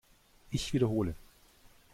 Ich wiederhole!